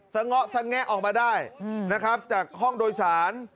เงาะสงแงะออกมาได้นะครับจากห้องโดยสาร